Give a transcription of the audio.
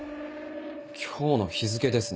今日の日付ですね。